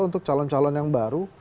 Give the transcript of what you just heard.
untuk calon calon yang baru